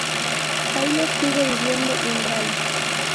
Taylor sigue viviendo en Bray.